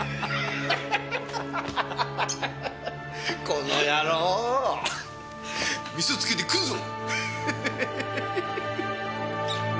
この野郎味噌つけて食うぞ。